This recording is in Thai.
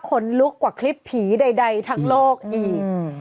คนลุกกว่าคลิปผีใดทั้งโลกอีก